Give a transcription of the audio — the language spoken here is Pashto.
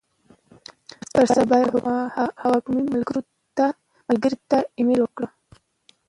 پر سبا یې حوا کومې ملګرې ته ایمیل وکړ.